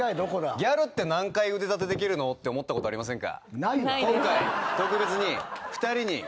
「ギャルって何回腕立てできるの？」って思ったことありませんか？